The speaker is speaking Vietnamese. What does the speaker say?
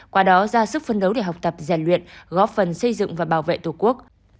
qua đó ra sức phân đấu để học tập rèn luyện góp phần xây dựng và bảo vệ tổ quốc